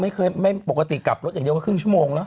ไม่เคยไม่ปกติกลับรถอย่างเดียวก็ครึ่งชั่วโมงเนอ